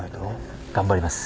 頑張ります。